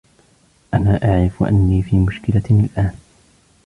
أنا أعرف أني في مشكلة الآن.